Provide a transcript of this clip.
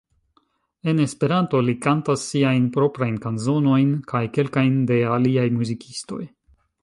En Esperanto li kantas siajn proprajn kanzonojn kaj kelkajn de aliaj muzikistoj.